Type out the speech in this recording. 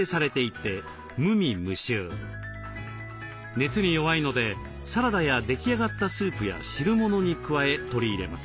熱に弱いのでサラダや出来上がったスープや汁物に加え取り入れます。